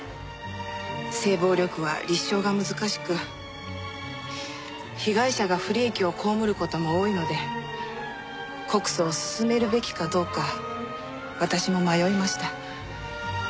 性暴力は立証が難しく被害者が不利益をこうむる事も多いので告訴を勧めるべきかどうか私も迷いました。